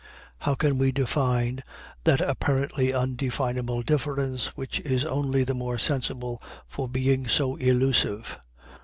How can we define that apparently undefinable difference which is only the more sensible for being so elusive?